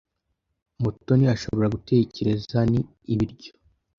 Mutoni ashobora gutekereza ni ibiryo.